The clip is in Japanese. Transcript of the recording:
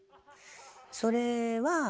それは。